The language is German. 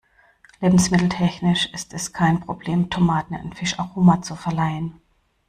Lebensmitteltechnisch ist es kein Problem, Tomaten ein Fischaroma zu verleihen.